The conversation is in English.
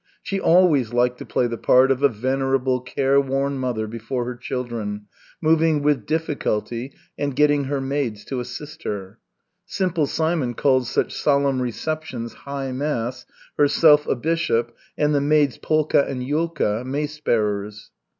She always liked to play the part of a venerable, careworn mother before her children, moving with difficulty and getting her maids to assist her. Simple Simon called such solemn receptions high mass, herself a bishop, and the maids, Polka and Yulka, mace bearers.